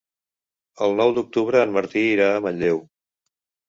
El nou d'octubre en Martí irà a Manlleu.